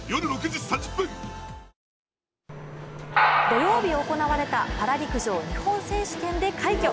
土曜日行われたパラ陸上日本選手権で快挙